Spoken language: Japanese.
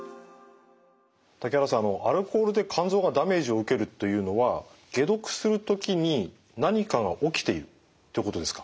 竹原さんあのアルコールで肝臓がダメージを受けるというのは解毒する時に何かが起きているということですか？